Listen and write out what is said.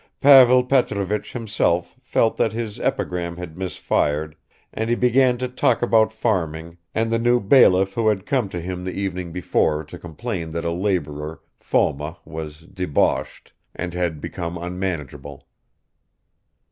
Pavel Petrovich himself felt that his epigram had misfired and he began to talk about farming and the new bailiff who had come to him the evening before to complain that a laborer, Foma, was "debauched," and had become unmanageable.